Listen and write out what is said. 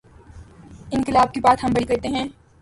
انقلا ب کی بات ہم بڑی کرتے ہیں۔